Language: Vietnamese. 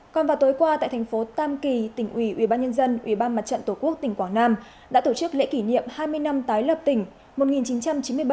còn vào tối qua tại thành phố tam kỳ tỉnh ủy ubnd tổ quốc tỉnh quảng nam đã tổ chức lễ kỷ niệm hai mươi năm tái lập tỉnh